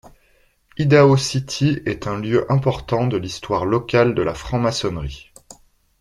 Idaho City est un lieu important de l'histoire locale de la franc-maçonnerie.